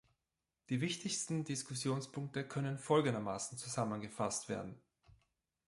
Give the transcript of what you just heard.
Die wichtigsten Diskussionspunkte können folgendermaßen zusammengefasst werden.